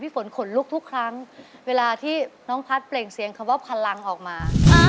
ฝนขนลุกทุกครั้งเวลาที่น้องพัฒน์เปล่งเสียงคำว่าพลังออกมา